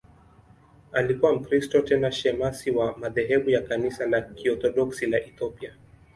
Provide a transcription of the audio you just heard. Alikuwa Mkristo, tena shemasi wa madhehebu ya Kanisa la Kiorthodoksi la Ethiopia.